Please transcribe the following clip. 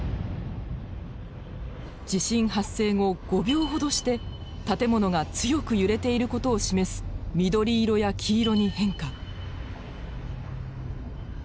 地震発生後５秒ほどして建物が強く揺れていることを示す緑色や黄色に変化。